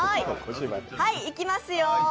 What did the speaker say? いきますよー。